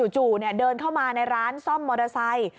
จู่เดินเข้ามาในร้านซ่อมมอเตอร์ไซค์